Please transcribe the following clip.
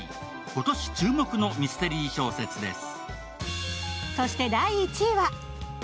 今年注目のミステリー小説です。